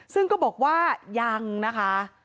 ซึ่งก็บอกว่ายังนะคะ